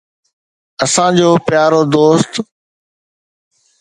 اسان جو پيارو دوست